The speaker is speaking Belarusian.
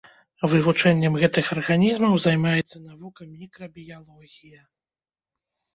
Вывучэннем гэтых арганізмаў займаецца навука мікрабіялогія.